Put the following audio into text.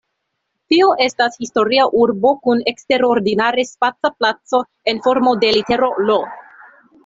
Tio estas historia urbo kun eksterordinare spaca placo en formo de litero "L".